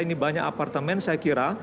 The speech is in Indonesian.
ini banyak apartemen saya kira